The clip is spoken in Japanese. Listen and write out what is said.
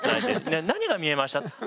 「何が見えました？」